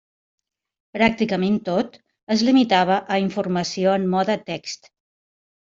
Pràcticament tot es limitava a informació en mode text.